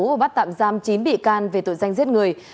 và bắt tạm giam chín bị can về tội danh giết người